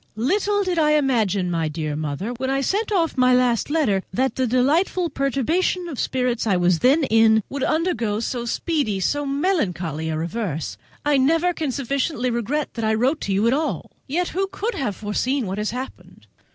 Little did I imagine, my dear Mother, when I sent off my last letter, that the delightful perturbation of spirits I was then in would undergo so speedy, so melancholy a reverse. I never can sufficiently regret that I wrote to you at all. Yet who could have foreseen what has happened?